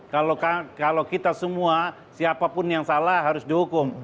kalau kita semua siapapun yang salah harus dihukum